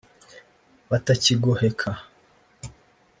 batakigoheka